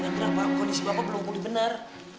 kenapa kondisi bapak belum pulih benar